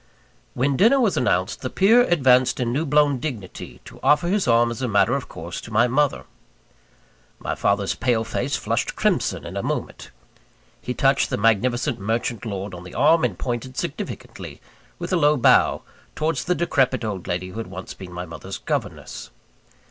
When dinner was announced, the peer advanced in new blown dignity, to offer his arm as a matter of course to my mother. My father's pale face flushed crimson in a moment. He touched the magnificent merchant lord on the arm, and pointed significantly, with a low bow, towards the decrepit old lady who had once been my mother's governess.